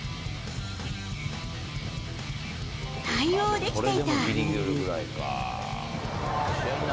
対応できていた。